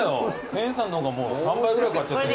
研さんの方が３倍ぐらい買っちゃって。